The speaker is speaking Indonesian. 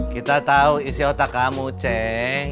kita tahu isi otak kamu ceng